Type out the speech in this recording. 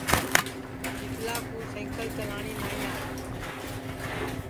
شیتلا کُو سئکل چلاٹی نائی آوے